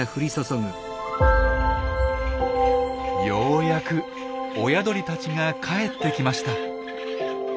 ようやく親鳥たちが帰ってきました。